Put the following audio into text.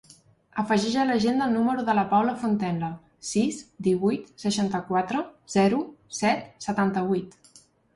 Afegeix a l'agenda el número de la Paula Fontenla: sis, divuit, seixanta-quatre, zero, set, setanta-vuit.